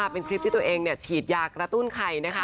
เป็นคลิปที่ตัวเองฉีดยากระตุ้นไข่นะคะ